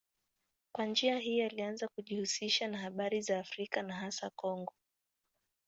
Kwa njia hii alianza kujihusisha na habari za Afrika na hasa Kongo.